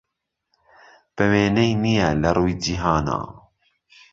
به وێنهی نییه له رووی جیهانا